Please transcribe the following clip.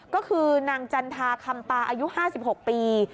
ก็คือนางจันทาคำปาอายุ๕๖ปี